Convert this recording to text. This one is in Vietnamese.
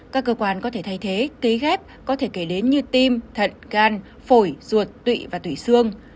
các cơ quan có thể thay thế cấy ghép có thể kể đến như tim thận gan phổi ruột tụy và tủy xương